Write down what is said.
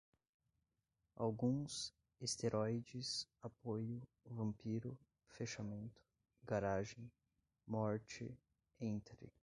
alguns, esteróides, apoio, vampiro, fechamento, garagem, morte, entre